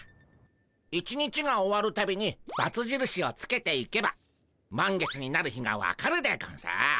一日が終わる度にバツじるしをつけていけば満月になる日がわかるでゴンス。